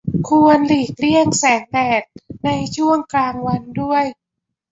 ควรหลีกเลี่ยงแสงแดดในช่วงกลางวันด้วย